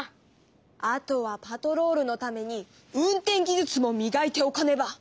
あとはパトロールのために運転技術もみがいておかねば！